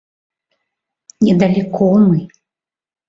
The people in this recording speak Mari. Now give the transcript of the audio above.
— Недалеко мы...